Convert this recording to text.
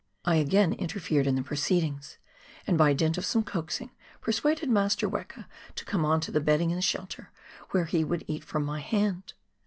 I again interfered in the proceedings, and by dint of some coaxing persuaded Master Weka to come on to the bedding in the shelter, where he would eat from my hand.